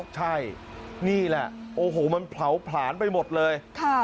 ใช่นี่แหละโอ้โหมันเผาผลาญไปหมดเลย